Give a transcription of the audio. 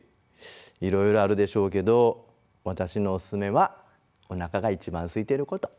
いろいろあるでしょうけどわたしのおすすめはおなかがいちばんすいてること。